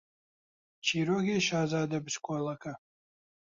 چیرۆکی شازادە بچکۆڵەکە